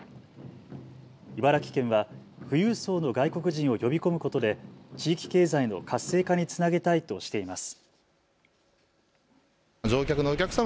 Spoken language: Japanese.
茨城県は富裕層の外国人を呼び込むことで地域経済の活性化につなげたいとしています。